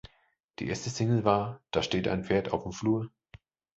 Die erste Single war "Da steht ein Pferd auf’m Flur".